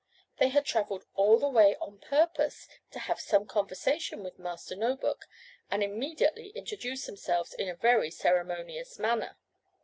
They had traveled all the way on purpose to have some conversation with Master No book, and immediately introduced themselves in a very ceremonious manner.